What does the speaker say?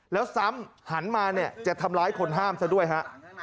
แล้วซ้ำหันมาเนี่ยจะทำร้ายคนห้ามซะด้วยฮะ